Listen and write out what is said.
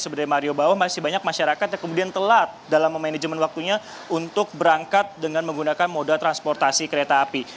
sebenarnya mario bahwa masih banyak masyarakat yang kemudian telat dalam memanajemen waktunya untuk berangkat dengan menggunakan moda transportasi kereta api